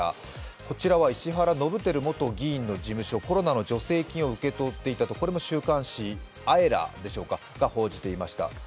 こちらは石原伸晃元議員の事務所、コロナの助成金を受け取っていた、これも週刊誌「ＡＥＲＡ」が報じていました。